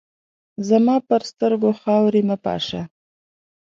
زما پر سترګو خاوري مه پاشه !